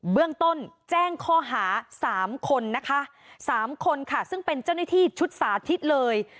เบื้องต้นแจ้งข้อหา๓คนนะคะ๓คนค่ะซึ่งเป็นเจ้าหน้าที่ชุดสาธิตเลย